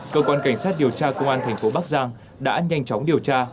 cơ quan cảnh sát điều tra công an tp bắc giang đã nhanh chóng điều tra